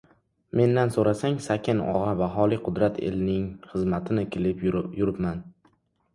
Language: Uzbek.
— Mendan so‘rasang, Saken og‘a, baholi qudrat elning xizmatini kilib yuribman.